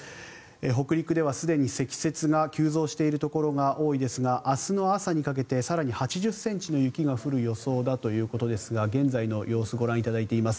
北陸ではすでに積雪が急増しているところが多いですが明日の朝にかけて更に８０ｃｍの雪が降る予想だということですが現在の様子ご覧いただいています。